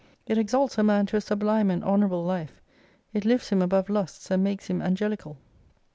It exalts a man to a sublime and honorable life : it lifts him above lusts and makes him angelical.